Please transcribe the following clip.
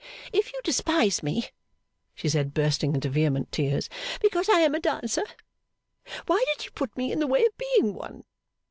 'If you despise me,' she said, bursting into vehement tears, 'because I am a dancer, why did you put me in the way of being one?